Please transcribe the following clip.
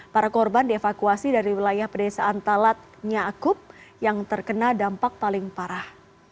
para korban dievakuasi dari wilayah pedesaan talat nyaakub yang terkena dampak paling parah